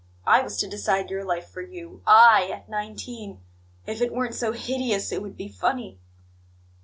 I was to decide your life for you I, at nineteen! If it weren't so hideous, it would be funny."